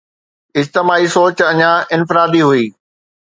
اجتماعي سوچ اڃا انفرادي هئي